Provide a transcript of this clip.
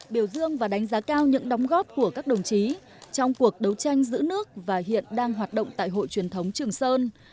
biểu dương và đánh giá cao những đóng góp của các đồng chí trong cuộc đấu tranh giữ nước và hiện đang hoạt động tại hội truyền thống trường sơn